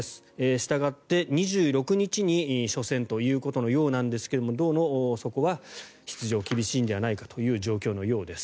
したがって２６日に初戦ということですがどうもそこは出場が厳しいのではという状況のようです。